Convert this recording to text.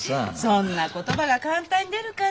そんな言葉が簡単に出るかな。